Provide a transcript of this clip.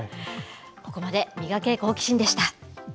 ここまで、ミガケ、好奇心！でした。